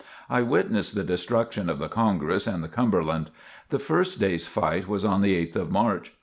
I witnessed the destruction of the "Congress" and the "Cumberland." The first days fight was on the 8th of March.